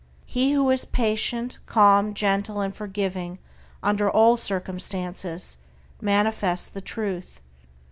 He who is patient, calm, gentle, and forgiving under all circumstances, manifests the Truth.